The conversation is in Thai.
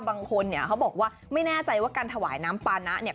บางคนเขาบอกว่าไม่แน่ใจว่าการถวายน้ำปลาน้า